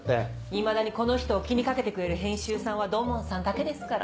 いまだにこの人を気にかけてくれる編集さんは土門さんだけですから。